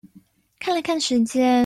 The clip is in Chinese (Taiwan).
看了看時間